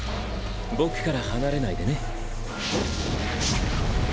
僕から離れないでね。